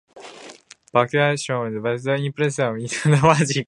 Baroque Hoedown was incorporated into the finale of Light Magic.